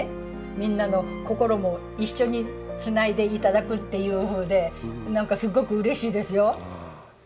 みんなの心も一緒につないで頂くっていうふうでなんかすごくうれしいですよ。